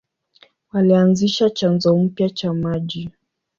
Walianzisha chanzo mpya cha maji.